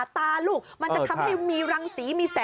แล้วก็ตาไม่สวย